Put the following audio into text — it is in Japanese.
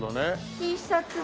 Ｔシャツ。